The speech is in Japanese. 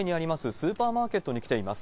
スーパーマーケットに来ています。